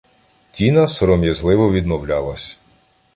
Тіна, сором'язливо відмовлялась.